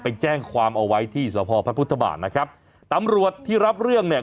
ไปแจ้งความเอาไว้ที่สพพระพุทธบาทนะครับตำรวจที่รับเรื่องเนี่ย